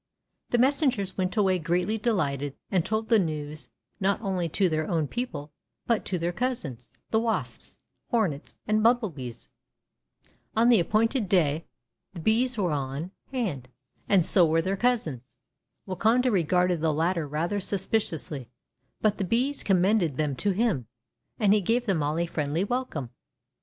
The messengers went away greatly delighted and told the news not only to their own people but to their cousins, the wasps, hornets, and bumblebees. On the appointed day the bees were on Fairy Tale Bears 165 hand, and so were their cousins. Wakonda regarded the latter rather suspiciously, but the bees commended them to him, and he gave them all a friendly welcome.